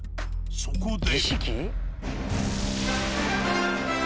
そこで。